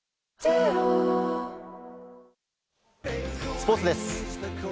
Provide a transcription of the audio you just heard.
スポーツです。